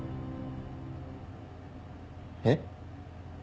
えっ？